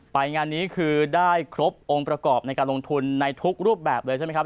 งานนี้คือได้ครบองค์ประกอบในการลงทุนในทุกรูปแบบเลยใช่ไหมครับ